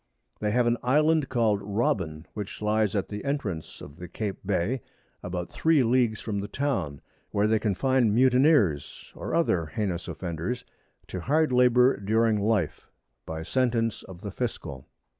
They have an Island call'd Robin, which lies at the Entrance of the Cape Bay, about 3 Leagues from the Town, where they confine Mutineers, or other heinous Offenders, to hard Labour during Life, by Sentence of the Fiscal.